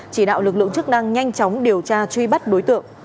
chỉ đạo lực lượng chức năng nhanh chóng điều tra truy bắt đối tượng